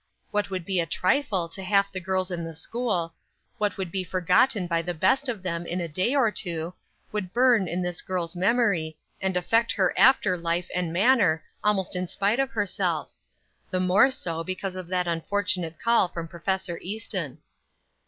What would be a trifle to half the girls in the school, what would be forgotten by the best of them in a day or two, would burn in this girl's memory, and affect her after life and manner, almost in spite of herself the more so, because of that unfortunate call from Prof. Easton.